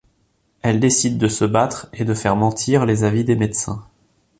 Elle décide de se battre et de faire mentir les avis des médecins.